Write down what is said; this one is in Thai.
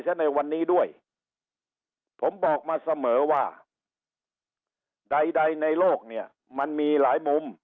ซะในวันนี้ด้วยผมบอกมาเสมอว่าใดใดในโลกเนี่ยมันมีหลายมุม